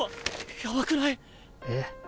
やばくない⁉えっ？